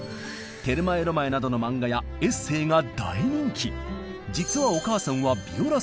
「テルマエ・ロマエ」などの漫画やエッセーが大人気。